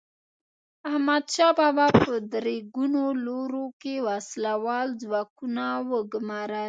احمدشاه بابا په درې ګونو لورو کې وسله وال ځواکونه وګمارل.